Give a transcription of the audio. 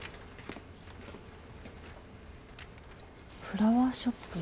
フラワーショップ